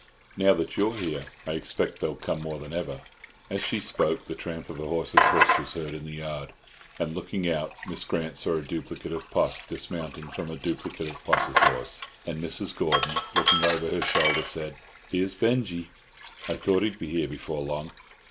Now that you're here, I expect they'll come more than ever." As she spoke, the tramp of a horse's hoofs was heard in the yard and, looking out, Miss Grant saw a duplicate of Poss dismounting from a duplicate of Poss's horse. And Mrs. Gordon, looking over her shoulder, said, "Here's Binjie. I thought he'd be here before long."